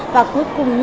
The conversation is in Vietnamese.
và cuối cùng